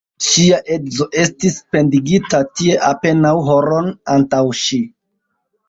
Ŝia edzo estis pendigita tie apenaŭ horon antaŭ ŝi.